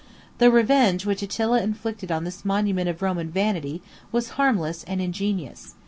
The revenge which Attila inflicted on this monument of Roman vanity, was harmless and ingenious.